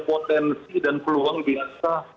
potensi dan peluang bisa